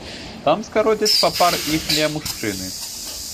Там скародзяць папар іхнія мужчыны.